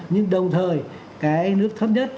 nhưng đồng thời cái nước thấp nhất